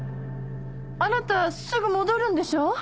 あなたすぐ戻るんでしょ？